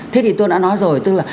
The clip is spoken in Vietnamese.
thế thì tôi đã nói rồi tức là